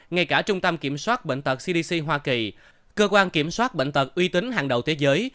ngay cả trung tâm kiểm soát bệnh tật cdc hoa kỳ cơ quan kiểm soát bệnh tật uy tín hàng đầu thế giới